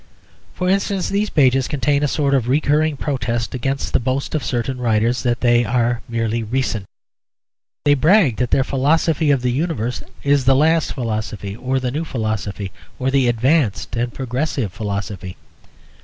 For instance, these pages contain a sort of recurring protest against the boast of certain writers that they are merely recent. They brag that their philosophy of the universe is the last philosophy or the new philosophy, or the advanced and progressive philosophy.